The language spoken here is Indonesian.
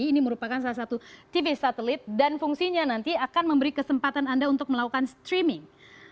ini merupakan salah satu tv satelit dan fungsinya nanti akan memberi kesempatan anda untuk melakukan streaming